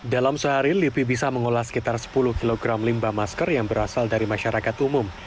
dalam sehari lipi bisa mengolah sekitar sepuluh kg limbah masker yang berasal dari masyarakat umum